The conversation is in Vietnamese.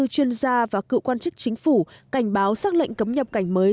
một trăm ba mươi bốn chuyên gia và cựu quan chức chính phủ cảnh báo xác lệnh cấm nhập cảnh mới